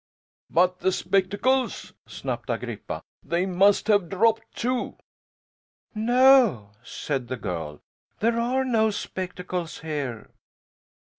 "But the spectacles?" snapped Agrippa. "They must have dropped, too?" "No," said the girl, "there are no spectacles here."